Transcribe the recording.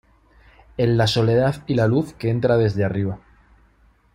En la soledad y la luz que entra desde arriba.